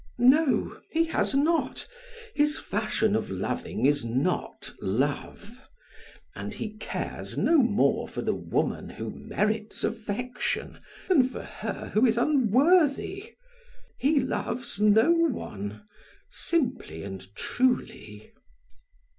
No, he has not; his fashion of loving is not love, and he cares no more for the woman who merits affection than for her who is unworthy. He loves no one, simply and truly.